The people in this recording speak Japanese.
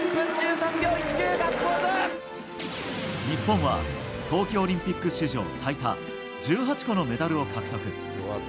日本は東京オリンピック史上最多１８個のメダルを獲得。